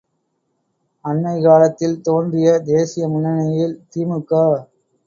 அண்மைக்காலத்தில் தோன்றிய தேசிய முன்னணியில் தி.மு.க.